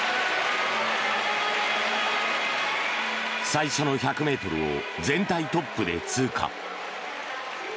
最初の１００ｍを全体トップで通過。